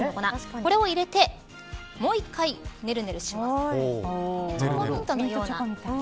これを入れて、もう一回ねるねるします。